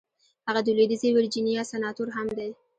هغه د لويديځې ويرجينيا سناتور هم دی.